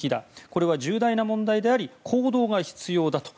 これは重大な問題であり行動が必要だと。